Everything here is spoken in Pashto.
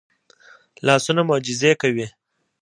لاسونه معجزې کوي